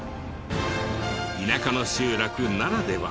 田舎の集落ならでは。